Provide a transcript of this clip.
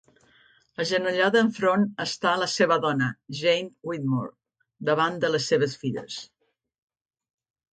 Agenollada enfront està la seva dona Jane Whitmore davant de les seves filles.